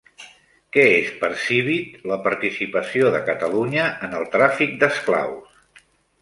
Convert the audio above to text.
Què és per Civit la participació de Catalunya en el tràfic d'esclaus?